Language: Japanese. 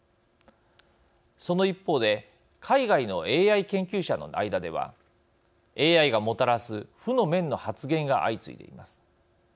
その一方で海外のＡＩ研究者の間ではＡＩがもたらす負の面の発言が相次いでいます。